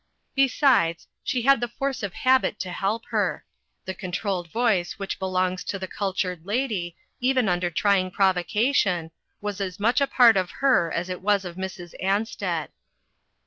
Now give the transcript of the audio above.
Besides, she had the force of habit to help her. The controlled voice which be longs to the cultured lady, even under strong provocation, was as much a part of her as it was of Mrs. Ansted.